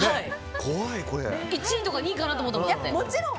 １位とか２位かなって思ったもん。